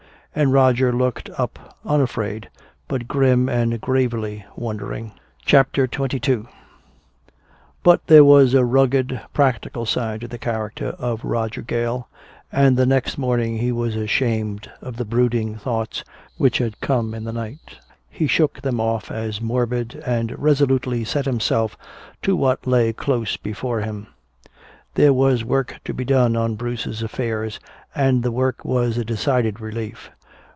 And Roger looked up unafraid, but grim and gravely wondering. CHAPTER XXII But there was a rugged practical side to the character of Roger Gale, and the next morning he was ashamed of the brooding thoughts which had come in the night. He shook them off as morbid, and resolutely set himself to what lay close before him. There was work to be done on Bruce's affairs, and the work was a decided relief.